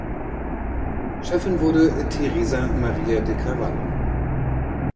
Chefin wurde Teresa Maria de Carvalho.